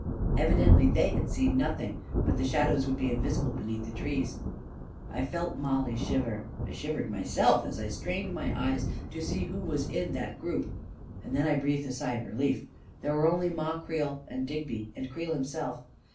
Evidently they had seen nothing — but the shadows would be invisible beneath the trees ... I felt Mollie shiver — I shivered myself, as I strained my eyes to see who was in that group ; and then I breathed a sigh of relief. There were only Ma Creel and Digby and Creel himself.